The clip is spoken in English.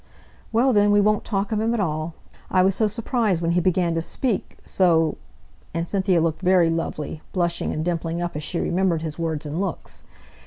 "Well, then, we won't talk of him at all. I was so surprised when he began to speak so " and Cynthia looked very lovely, blushing and dimpling up as she remembered his words and looks.